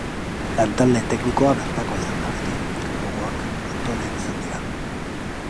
Lantalde teknikoa bertakoa izan da beti, kanpokoak aktoreak izan dira.